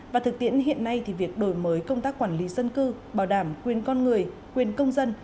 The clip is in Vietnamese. và thực tiễn hiện nay thì việc đổi mới công tác quản lý dân cư bảo đảm quyền con người quyền công dân